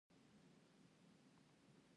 ګورو نانک د دې مذهب بنسټګر و.